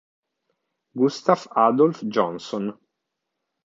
Gustaf Adolf Jonsson